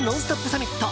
サミット。